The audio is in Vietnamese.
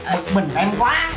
bực mình em quá